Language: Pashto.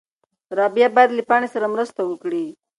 رابعه باید له پاڼې سره مرسته وکړي.